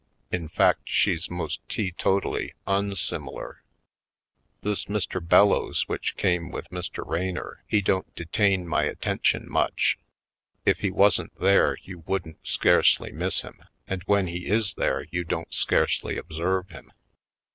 In fact, she's most teetotally unsimilar. This Mr. Bellows which came with Mr. Raynor he don't detain my attention much. If he wasn't there you wouldn't scarcely miss him; and when he is there you don't scarcely observe him.